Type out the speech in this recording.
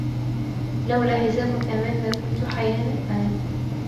لولا حزام الأمان لما كنت حياً الآن.